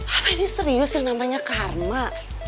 hah ini serius yang namanya karma